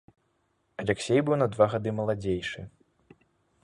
Аляксей быў на два гады маладзейшы.